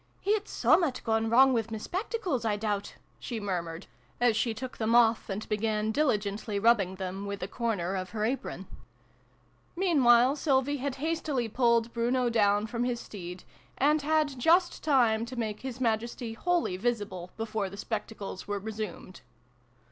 " It's summat gone wrong wi' my spectacles, I doubt !" she murmured, as she took them 66 SYLVIE AND BRUNO CONCLUDED. off, and began diligently rubbing them with a corner of her apron. Meanwhile Sylvie had hastily pulled Bruno down from his steed, and had just time to make His Majesty wholly visible before the spectacles were resumed.